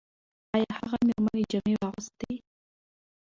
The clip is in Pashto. ایا هغه مېرمنې جامې واغوستې؟